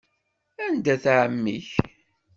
Anda-t ɛemmi-k?